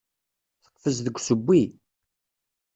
Teqfez deg usewwi.